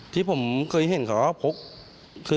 ที่ผมเคยเห็นก็ว่าพก